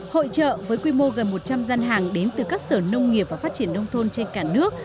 hội trợ với quy mô gần một trăm linh gian hàng đến từ các sở nông nghiệp và phát triển nông thôn trên cả nước